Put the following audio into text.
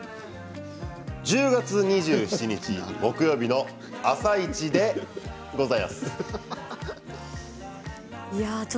１０月２７日木曜日の「あさイチ」でございやす。